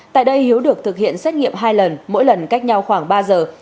tại đây hiếu được thực hiện xét nghiệm hai lần mỗi lần cách nhau khoảng ba giờ